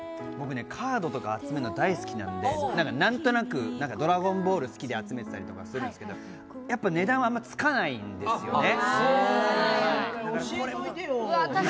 カードとか集めの、大好きなんで、何となくドラゴンボール好きで集めてたりするんですけど、やっぱり値段はあまりつかないんですよね。